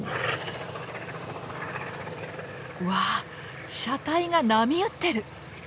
わあ車体が波打ってる！